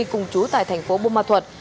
cùng trú tại thành phố bông môn thuật